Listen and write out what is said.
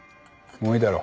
もういいだろ。